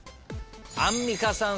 アンミカさん。